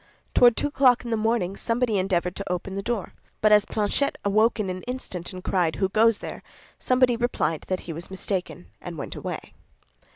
Toward two o'clock in the morning somebody endeavored to open the door; but as Planchet awoke in an instant and cried, "Who goes there?" somebody replied that he was mistaken, and went away.